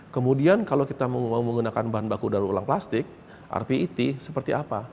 kemudian kalau kita mau menggunakan bahan baku daru ulang plastik rpet seperti apa